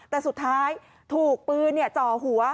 แต่สุดท้ายถูกปืนจ่อหัว